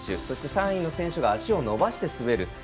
そして３位の選手が足を伸ばして滑る。